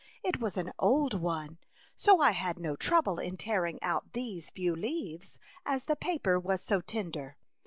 — It was an old one, so I had no trouble in tearing out these few leaves, as the paper was so tender.